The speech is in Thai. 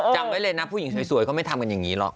จำไว้เลยนะผู้หญิงสวยเขาไม่ทำกันอย่างนี้หรอก